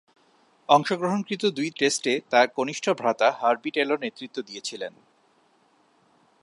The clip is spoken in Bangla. অংশগ্রহণকৃত দুই টেস্টে তার কনিষ্ঠ ভ্রাতা হার্বি টেলর নেতৃত্ব দিয়েছিলেন।